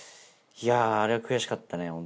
いやぁあれは悔しかったね